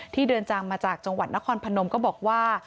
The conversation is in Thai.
ที่เดินทางมาจากจังหวัดนครพนมก็บอกว่า